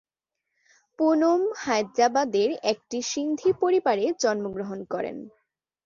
পুনম হায়দ্রাবাদের একটি সিন্ধি পরিবারে জন্মগ্রহণ করেন।